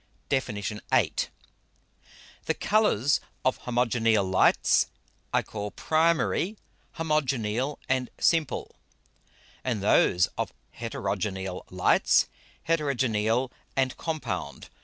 DEFIN. VIII. _The Colours of Homogeneal Lights, I call Primary, Homogeneal and Simple; and those of Heterogeneal Lights, Heterogeneal and Compound.